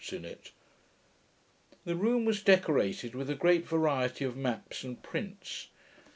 ] The room was decorated with a great variety of maps and prints.